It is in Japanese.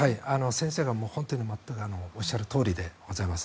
先生がおっしゃるとおりでございます。